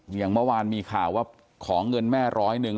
อย่างเมื่อวานมีข่าวว่าขอเงินแม่ร้อยหนึ่ง